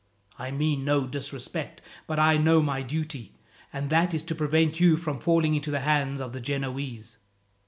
I mean no disrespect; but I know my duty, and that is to prevent you from falling into the hands of the Genoese."